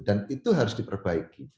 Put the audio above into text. dan itu harus diperbaiki